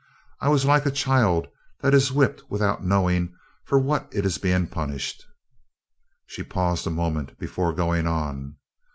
I was like a child that is whipped without knowing for what it is being punished." She paused a moment before going on.